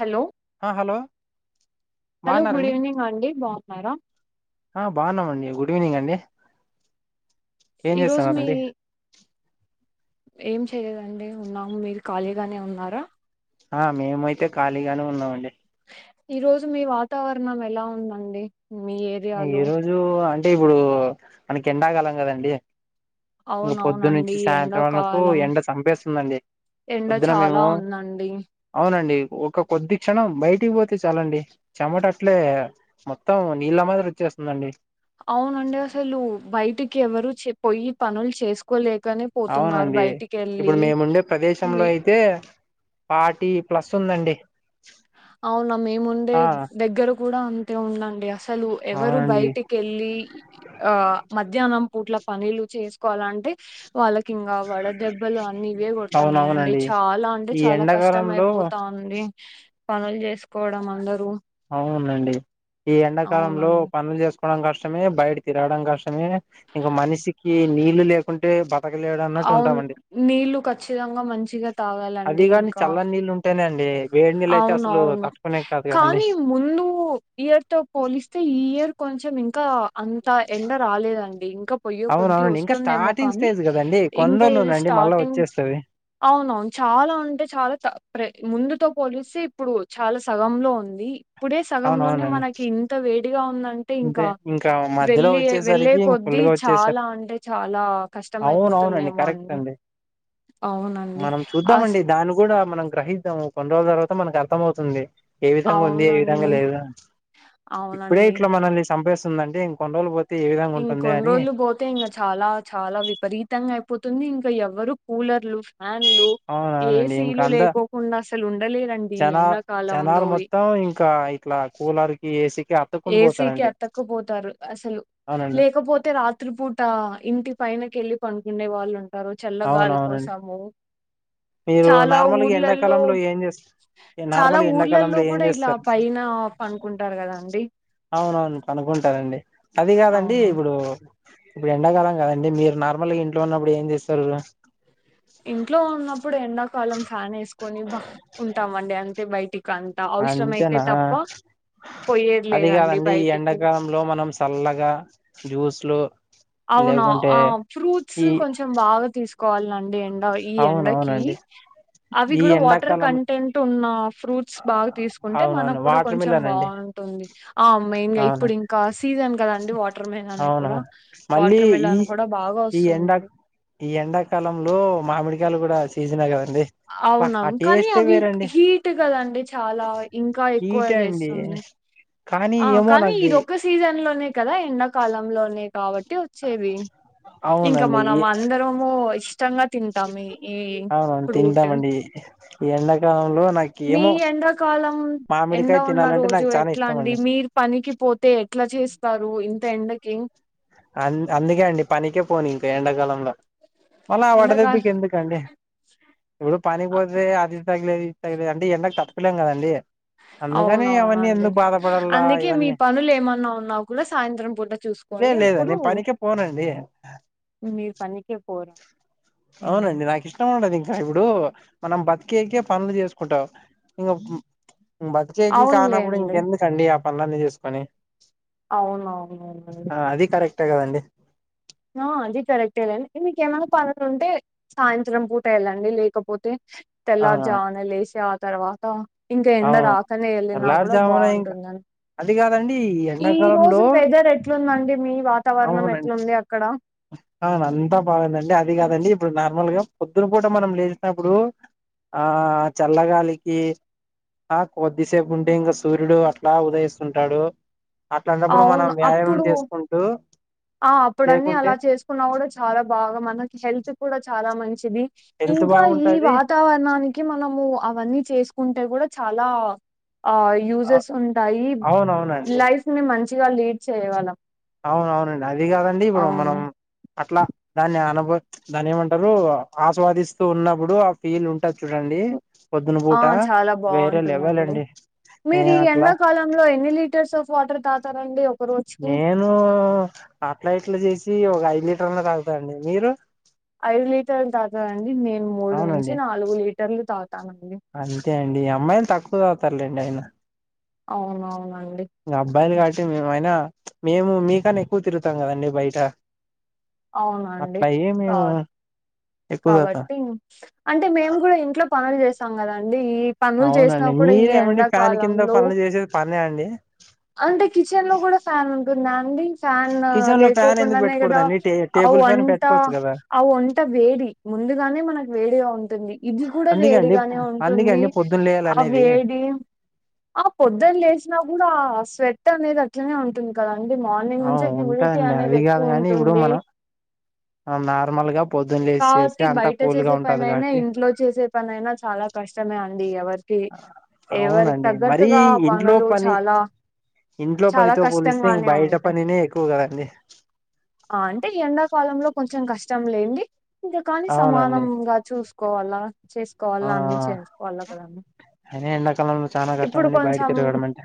Hello hello hello బాగున్నారా good అండి evening బాగున్నారా బాగున్నామండి. గుడ్ ఈవెనింగ్ అండి ఏం ఈ రోజు మీ చేస్తున్నారండి ఏం చెయ్యదండి ఉన్నాము మీరు ఖాళీగానే ఉన్నారా. ఆ మేమయితే ఖాళీగానే ఉన్నామండి. ఈ రోజు మీ వాతావరణం ఎలా ఉందండి. మీ ఏరియాలో ఈ రోజు టే ఇప్పుడు మనకి ఎండకాలం కదండి పొద్దు నుంచి అవునవునండి సాయంత్రం వరకు ఎండాకాలం ఎండ చంపేస్తుందండి. ఎండ పొద్దున చాలా మేము ఉందండి అవునండి. ఒక కొద్ది క్షణం బయటికి పోతే చాలండి. చెమట అట్లే మొత్తం నీళ్ళ మా చేస్తుందండి. అవునండి అసలు బయటికి ఎవరు చె పోయి పనులు చేసుకోలే అవునండి ఇప్పుడు మేముండే ప్రదేశంలో మీ అయితే పార్టీ ప్లస్ ఉందండి. [unintelligible] అవునా మేముండే ఆ దగ్గర కూడ అంతే ఉందండి అసలు అసలు ఎవరు అవునండి బయటికి వెళ్ళ ఆ మధ్యాహ్నం పూట్ల పనిలు చేసుకోవాలంటే వాళ్ళకి ఇంగా వడ దెబ్బలు అన్ని ఇవే కొడుతన్నాయండి. అవునవునండి చాలా అంటే ఈ చాలా కష్టం ఎండాకాలంలో అయిపోతాంది. అ [unintelligible] పనుల్ చేసు పోవడం అందరూ నండి ఈ ఎండాకాలంలో అవునండి పనులు చేసు కష్టమే బయట తిరడం కష్టమే ఇంక మనిషికి నీళ్ళు లేకుంటే బతకలేడు అన్నట్టు అవును ఉంటామండి నీళ్లు ఖచ్చితంగా మంచిగా తాగాలండి ఇంకా ఏ వేడ్నీల్లయితే అసలూ అవునవును కానీ ముందు ఇయర్ తో పోలిస్తే ఈ ఇయర్ కొంచెం ఇంకా అంత ఎండ రాలేదండి ఇంకా పొయ్యే కొద్దీ అవునవునండి ఇంకా వస్తుందేమో స్టార్టింగ్ కానీ స్టేజ్ కదండి కొన్ని ఇంకా ఇది రోజులునండి మళ్ళా స్టార్టింగ్ వచ్చేస్తది అవునవును చాలా అంటే చాలా తే ప్రే ముందు తో పోలిస్తే ఇప్పుడు చాలా సగం లో ఉంది ఇప్పుడే సగంలోనే అవునవునండి మనకి ఇంత వే ఉందంటే అంతే ఇంకా మధ్యలో వెళ్ళి వెళ్ళే వచ్చేసరికి ఫుల్ కొద్దీ గా వచ్చేసారు చాలా అంటే చాలా కష్టం అవునవునండి అయిపోతుందేమో కరెక్ట్ అండి అవునండి. మనం అస్ చూద్దామండి దాన్ని కూ కూడా మనం గ్రహిద్దాము కొన్ని రోజుల తర్వాత మన అర్తమౌతుంది ఏ విధంగా ఉంది ఏ విధంగా అవునండి. లేదు ఇప్పుడే అవునండి. చంపేస్తుందండి ఇంకొన్రోలు పో ఇంకొన్రోలు పోతే ఇంగ చాలా చాలా విపరీతంగా పోతుంది ఇంకా ఎవ్వరు కూలర్లు ఫ్యాన్లు అవునవునండి ఇంకా ఏసీలు అంత లేకోకుండా అసలు ఉండలేరండి ఈ జనా ఎండాకాలంలో జనాలు మొత్తం ఇంకా ఇట్లా కూలర్ కి ఏసీ ఏసీకి అతక్కుపోతారు అసలు అవునండి లేకపోతే రాత్రిపూట ఇంటి పైనకెళ్ళి పనుకుండే వాళ్ళు టారూ చల్ల గాలి అవునవునండి కోసాము మీరు చాలా నార్మల్గా ఊర్లలో ఎండాకాలంలో ఏం చేస్త చాలా నార్మల్ ఊర్లల్లో ఎండాకాలంలో ఏం కూడా ఇలా చేస్తారు పైన పనుకుంటారు కదాండి అవునవును పనుకుంటారండి అది కాదండి అవును ఇప్పుడు ఇప్పుడు ఎండాకాలం కదండి మీరు నార్మల్ గా ఇంట్లో ఉన్నప్పుడు ఏం చేస్ [unintelligible] ఇంట్లో ఉన్నప్పుడు ఎండాకాలం ఫ్యాన్ వేసు కొని బాహ్ ఉంటామండి అంటే బైటి అంతెనా పోయేది అది లేదండి కాదండి ఈ బయటికి ఎండాకాలంలో మనం సల్లగా జ్యూస్లు అవును లేకుంటే ఆ ఫ్రూట్స్ ఈ కొంచెం బాగా తీస్ కాల్ అండి ఈ ఎండకి అవునవునండి అవి ఈ కూడా వాటర్ ఎండాకాలం కంటెంట్ ఉన్న ఫ్రూట్స్ బాగా తీసుకుంటే అవునవును మనకు కూడా వాటర్ కొంచెం మిలన్ అండి బాగుంటుంది ఆ మెయిన్ గా అవును ఇప్పుడు ఇంకా సీజన్ కదండి వాటర్ మెలన్ అవును కూడా మళ్ళీ వాటర్ ఈ మెలన్ కూడా బాగా ఈ ఎండ వస్తుంది ఈ ఎండాకాలంలో మామిడికాయలు కూడా సీజన్ కద అవునాం కానీ అవి హీట్ కదండి చాలా ఇంకా ఎక్కువ ఈటే అండి చేస్తుంది కానీ ఆ ఏమో కానీ నాకి ఇదొక్క సీజన్ లోనే కదా ఎండాకాలంలోనే కాబట్టి ట్టి వచ్చేవి ఇంకా అవునండి మనం ఏ అందరము ఇష్ ఇష్టంగా తింటాము ఈ అవునవును ఫ్రూట్ తింటామండి ఈ ఎండాకాలంలో నాకు మీ ఏమో ఎండాకాలం ఎండ మామిడికాయ ఉన్న తినాలంటే రోజు నాకు చాలా ఎట్లా ఇష్టం అండి మీరు పనికి పోతే ఎట్లా చేస్తారు ఇంత ఎండకి అ అందుకే అండి పనికే పోను ఇంకా ఎండాకాలంలో మల్ల అ ఎండాకాలం వడదెబ్బికెందుకండి ఇపుడు పనికి పోతే అది తగిలేది తగలిదు అంటడి ఎండకు తప్పకోలేం కదండి అందుకని అవన్నీ అవునవునండి ఎందుకు బాధపడాలా అందుకే మీ ఇవన్నీ పనులు ఏమన్నా ఉన్నా కూడా సాయంత్రం పూట చూసుకోండి లే లేద అప్పుడు నేన్ పనికే పోనండి మీరు పనికే పోరా అవునండి నాకు ఇష్టం ఉండదు ఇంకా ఇప్పుడు మనం బతికేకే పనులు చేసుకుంటాం ఇంక బత్ కేజి కానప్పుడు అవునులేండి ఇంకెందుకండి పనులన్నీ చేసుకొని అవునవునవునండి ఆ అది కరెక్టా కదండి ఆ అది కరెక్టే లేండి మీకేమైనా పనులు ఉంటే సాయంత్రం పూట వెళ్ళండి లేకపోతే ఆ తెలర్జామున లేసి నప్పుడు తర్వాత ఇంకా ఎండ అవును రాకనే ఎళ్ళినా కూడా తెల్లారుజామున ఇంకా బాగుంటుందని అది కాదండి ఈ రోజు ఎండాకాలంలో వెదర్ ఎట్లుందండి మీ వాతావరణం అవునండి ఎట్లుంది అవును అంతా బాగుందండి అది కాదండి ఇప్పుడు నార్మల్గా పొద్దున పూట మనం లేచినప్పుడు ఆ చల్లగాలికి ఆ కొద్దిసేపు ఉంటే ఇంకా సూర్యుడు అట్లా ఉదయిస్తుంటాడు అట్లాంటాప్పుడు మనం అవును వ్యాయామం అప్పుడు చేసుకుంటూ ఆ అప్పుడ అన్ని లేకుంటే అలా చేసుకున్నా కూడా చాలా బాగా మనకి హెల్త్ కూడా చాల చాలా మంచిది హెల్త్ ఇంకా ఈ బాగుంటది వాతావరణానికి మనము అవన్నీ చేసుకుంటే కూడా చాలా ఆ అ యూజెస్ ఉంటాయి అవునవునండి లైఫ్ ని మంచిగా లీడ్ చేయవళ్లం అవునవునండి అది కాదండి ఇప్పుడు మనం అట్లా దాన్ని ఆన దాని ఏమంటారు ఆస్వాదిస్తూ ఉన్నప్పుడు ఆ ఫీల్ ఉంటు ఆ చాలా వేరే లెవెల్ బాగుంటుందండి అండి మీరు నేను ఈ అట్లా ఎండాకాలంలో ఎన్ని లీటర్స్ ఆఫ్ వాటర్ తాగు వెళ్తారండి నేను అట్లా ఇట్లా చేసి ఒక ఐదు లీటర్లు తాగుతాండి మీరు ఐదు లీటర్ దాదండి నేను మూడు నుంచి అవునండి నాలుగు లీటర్లు తాగుతానండి తాతర్లేండి అయిన అవునవును అబ్బాయిని కాబట్టి మేమైన చుప్ మేము మీకన్నా ఎక్కువ తిరుగుతాం కదండి బయట అవునండి అట్లా ఏ మేము కాడ్ ఎక్కువ శాతం కాబట్టి అంటే మేము కూడా ఇంట్లో పనులు చేాం కదండి అ ఈ పనులు చేసినా అవునండి కూడా ఈ మీరేమండి ఫ్యాన్ కింద ఎండాకాలంలో పనులు చేసేది పనే అండి అంటే కిచెన్ లో కూడా ఫ్యాన్ ఉు ప్పు నాంది ాన్ కిచెన్ లో ఫ్యాన్ ఎందుకు లేకోకుండానే కదా పెట్టకూడదండి టే ఆ టేబుల్ ఫ్యాన్ వంట పెట్టుకోవచ్చు కదా ఆ వంట వేడి ముందుగానే మనకు వేడిగా ఉంటుంది ఇది కూడా అందుకేండి వేడిగానే ఉంటుంది అందుకేండి పొద్దున్న లేయాలి ఆ అనేది వేడి ఆ పొద్దున లేసినా కూడా ఆ స్వెట్ అనేది అట్లనే ఉంటుంది కదా ఆ ఉంటాండి అది కాదు ఎక్కువ కాని ఇప్పుడు ఉంటుంది మనం నార్మల్గా కాబట్టి బయట చేసే పని అయినా కాబట్టి ఇంట్లో చేసే పని అయినా చాలా కష్టమే అ అండి ఎవరు ఎవరికి అవునండి మరీ తగ్గట్టుగా ఇంట్లో పనులు పని చాలా ఇంట్లో చాలా పనితో పోలిస్తే ఇంక కష్టంగానే బయట ఉంటాయి పనినే ఎక్కువ కదండి అంటే ఈ ఎండాకాలంలో కొంచెం కష్టం లేండి ఇంకా కాని అవునండి సమానంగా చూసు కోవాలా చేసుకోవాల ఆ అన్ని చేసుకోవాలి అక్కడ అయినా ఎండాకాలంలో చాలా కష్టం ఇప్పుడు అండి బయట కొంచెం తిరగడం అంటే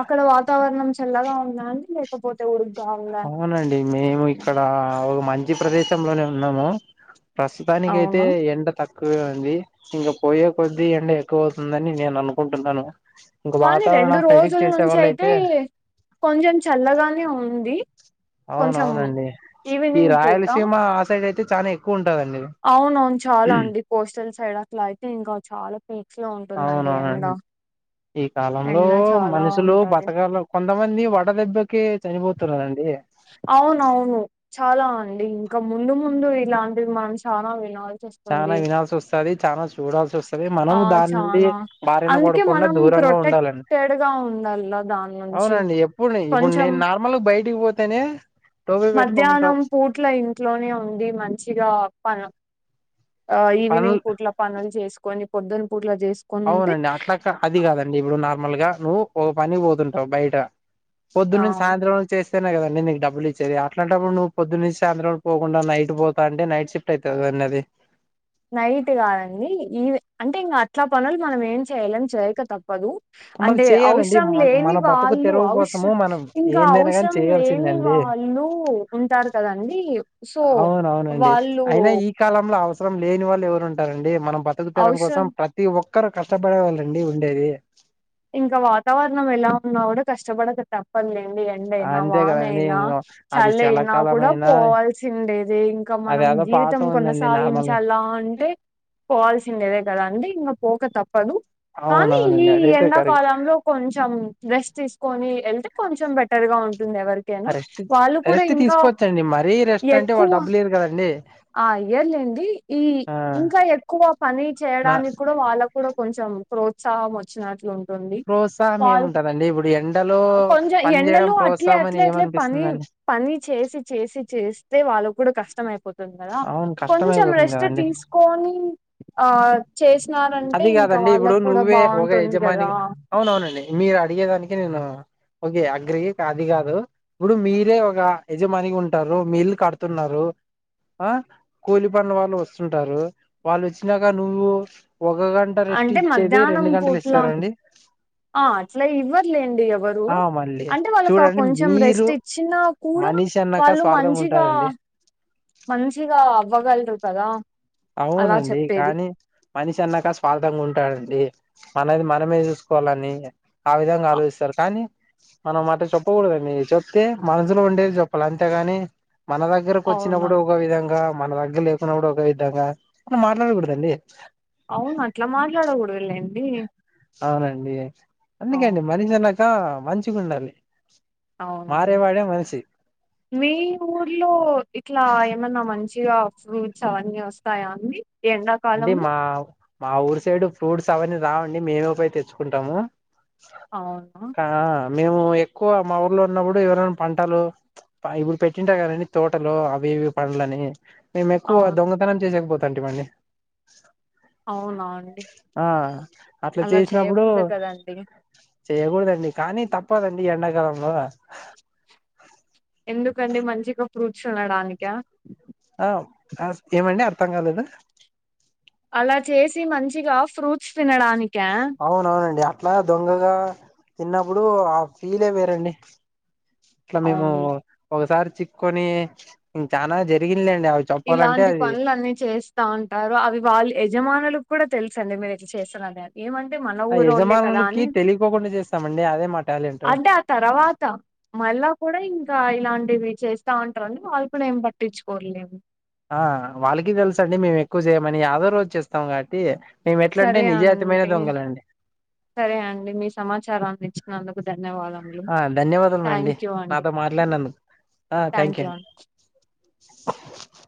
అక్కడ వాతావరణం చల్లగా ఉంద అండి లేకపోతే ఉ అవునండి మేము ఇక్కడ ఒక మంచి ప్రదేశ్ ంలోనే ఉన్నాము ప్రస్తుతానికి అయితే అవునా ఎండ తుక్ ఎక్కువే ఉంది ఇంకా పోయే కొద్దిీ ఎండ ఎక్కువ అవుతుందని నేను అనుకుంటున్నాను ఇంక కానీ రెండు వాతావరణం ప్రెడిక్ట్ రోజుల చేసే నుంచి వాళ్ళు అయితే కొంచెం చల్లగానే ఉ ది అవునవునండి ఈ రాయలసీమ ఆ సైడ్ అయితే చానే ఎక్కువ ఉంటదండి అవున అవును చాలా అండి కొస్టల్స్ సైడ్ట్లా అయితే ఇంకా చాలా పీక్స్ లో ఉంటుందండి ఎండ అవునవునండి ఈ కాలంలో ఎండ చాలా మనుషులు ఉంటది బతకలు కొంతమంది వడ దెబ్బకి చనిపోతు [inaudible] అవునవును చాలా అండి ఇంకా ముందు ముందు ఇలాంటిది మనం చాలా వినాలి చానా వినాల్సి వస్తది చానా చూడాల్సి వస్తది ఆ! మనము దాని నుండి చానా బారిన అందుకే పడకుండా మనం దూరంగా ఉండాలండి ప్రొటెక్టెడ్‌గా ఉండాల్ల దాని నుంచి. అవునండి ఎప్పుడు ఇప్పుడు కొంచెం నేను నార్మల్గ బయట పోతేనే టోపీ పెట్టుకుంటాం మధ్యాహ్నం పూట్ల ఇంట్లోనే ఉంది మంచిగా ప ఆ పనులు ఈవినింగ్ పూట్ల పనులు చేసుకు కొన్ని పొద్ద అవునండి అట్లాగా అది కాదండి ఇప్పుడు నార్మల్గా నువ్వు ఓ పనికి పోతుంటావు బయట పొద్దున్న నుంచి ఆహ్ సాయంత్రం వరకు చేస్త ఇేనా కదండి నీకు డబ్బులు ఇచ్చేది అట్లాంటప్పుడు నువ్వు పొద్దు నుంచి సాయంత్రం వరకు పోకుండా నైట్ పోతా అంటే నైట్ షీఫ్ట్ అయితది కదా అది నైట్ కాదండి ఈవ అంటే ఇంగా అట్లా పనులు మనం ఏం చెయలేం చెయ్యక తప్పదు మనం అంటే చేయాలండి అవసరం మన లేని మన బతుకు వాళ్ళు తెరువు అఔషర కోసము మనం ఇంక ఏందైనా కానీ అవసరం లేని చేయాల్సిందండి వాళ్ళు ఉంటారు కదంీ అవునవునండి అయినా ఈ కాలంలో అవసర లేని వాళ్ళు ఎవరు ఉంటారండి మనం బతుకుతరం అవసరం కోసం ప్రతి ఒక్క ఎక్కరు కష్టపడే వాళ్ళండి ఉండేది ఇంకా వాతవరణం ఎలా ఉన్నా కూడా కష్టపడక తప్పదదులే ఎండయినా అంతే వాన కదండి అయినా ఇంగ అది చలి అయినా కూడా చలకాలమైన పోవాల్సిండేది ఇంకా అది మనం అదో పాట జీవితం ఉందండి నార్మల్ కొనసాగించాలా అంటే పోవాల్సిందే కదా అండి ఇంకా పోక తప్ప ప్పదు కానీ ఈ అవునవునండి అదైతే ఎండ కరెక్ట్ ంలో కొంచెం రేష్ తీసుకొని వెళ్తే కొంచెం బెటర్ గా ఉంటుంది. ఎవరికైనా రెస్ట్ వాళ్ళు కూడా రెస్ట్ ఇంకా తీసుకోవచ్చండి. మరీ రెస్ట్ అంటే ఎక్కువ వాళ్ళు డబ్బులు ఇవ్వరు కదండీ. ఆ ఇయ్యర్లెండి. ఈ ఇంకా ఎక్కువ పని నా చేయడానికి కూడా వాళ్ళకు కూడా కొంచెం ప్రోత్సాహం వచ్చినట్లు ఉం టుంది ప్రోత్సాహం వాళ్ ఏముంటదండి ఇప్పుడు ఎండలో కొంచెం పని చేయడం ఎండలు అట్లే ప్రోత్సాహం అని అట్లే అట్లే పని ఏమనిపిస్తుందండి పని చేసి చేసి చేస్తే వాళ్ళ కూడా కష్టమైయిపోతుంది. కదా అవును కష్టం కొంచెం అయిపోతుంది రెస్ట్ కదండి తీసుకొని ఆ చేసినారంటే అది ఇంకా కాదండి ఇప్పుడు వాళ్ళకు కూడా నువ్వే ఒక బాగుంటుంది. యజమాని కదా అవునవునండి మీరు అడిగేదానికి నేను ఒకే అగ్రీ. అది కాదు ఇప్పుడు మీరే ఒక యజమానిగా ఉంటారు. మీ ఇల్లు కడుతున్నారు. ఆ కూలి పనుల వాళ్ళు వస్తుంటారు. వాళ్ళు వచ్చినాక నువ్వు ఒక గంట రెస్ట్ అంటే ఇచ్చేది. మధ్యాహ్నం రెండు గంటలు పూట్ల ఇస్తారండి. ఆ అట్లా ఇవ్వర్ లేండి. ఇపుడు ఆ మళ్ళీ అంటే వాళ్ళకి చూడండి కొంచెం మీరు రెస్ట్ ఇచ్చిన కూడా మనిషి అన్నాక వాళ్ళు స్వార్థంగా మంచిగా ఉంటారండి మంచిగా అవ్వగలరు. కదా అలా అవునండి. చెప్పేది కానీ మనిషి అన్నాక స్వార్థంగా ఉంటాడండి. మనది మనమే చూసుకోవాలని ఆ విధంగా. అ- ఆలోచిస్తారు. కానీ మనం మాట చెప్పకూడదండి చెప్తే మనసులో ఉండేది చెప్పాలి. అంతేగాని మన దగ్గరకి వచ్చిన కూడా అవునండి ఒక విధంగా మన దగ్గర లేకున్నప్పుడు ఒక వి అప్పుడు మాట్లాడదాం లేండి. అవును అట్లా మాట్లాడ కొడాదు లెండి. అవునండి. ఎందుకు అండి మనిష లాగ ఆ మంచిగా ఉండాలి. అవునను మారేవాడే మనిషి మీ ఊర్లో ఇట్లా ఏమన్నా మంచి మంచిగా ఫ్రూట్స్ అవన్నీ వస్తాయా అండి. ఈ అంటే ఎండాకాలంలో? మా మా ఊరు సైడ్ ఫ్రూట్స్ అవన్నీ రావండి. మేమే పోయ్ తెచ్చుకుంటాము. అవునా కా మేము ఎక్కువ మా ఊర్లో ఉన్నప్పుడు ఎవరైనా పంటలు ఇప్పుడు పెట్టింటా కాదండి. తోటలు అవి ఇవి పంటలని మేం ఎక్కువ అవును. దొంగతనం చేసేకపోతాం తంటి మన్ని అవునా అండి? ఆ అట్లా అలా చేసినప్పుడు చేయకూడదు కదండీ. చేయకూడదండి. కానీ తప్పు తప్పదండి. ఎండాకాలంలో ఎందుకండి. మంచిగా ఫ్రూట్స్ ఉండడానిక ఆ ఏమండి అర్థం కాలేదు. అలా చేసి మంచిగా ఫ్రూట్స్ తినడానికి అవునవునండి అట్లా దొంగగా తిన్నప్పుడు ఆ ఫీలే వేరండి ఇలా మేము అవును. ఒకసారి చిక్కొని చాల జరిగి ఇలాంటి పనులు అన్నీ చేస్తా ఉంటారు అవి వాళ్ళు యజమానులు కూడా తెలుసు అండి మీరు ఇట్లా చేస్తు అ ఏమంటే మన ఆ ఊరురో వాళ్ళే కదా యజమానులకి అని తెలియకోకుండా చేస్తామండి అదే మా టాలెంట్ అంటే ఆ తర్వాత మళ్ళా కూడా ఇం ఇలాంటివి చేస్తా ఉంటారుడి వాళ్ళు కూడా ఏం పట్టించుకోలేము ఆ వాళ్ళకి తెలుస అండి మేము ఎక్కువ చేయమని యాదో రోజు చేస్తాం కాబట్టి మేము ఎట్లంటే సరే నిజాయితీమైన అండి దొంగలండి సరే అండి మీ సమాచారాన్ని ఇచ్చినందుకు ధన్యవాదములు ఆ ధన్యవాదములండి థ్యాంక్ యూ అండి నాతో మాట్లాడినందుకు థ్యాంక్ యూ అండి ఉ